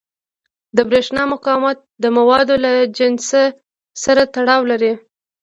د برېښنا مقاومت د موادو له جنس سره تړاو لري.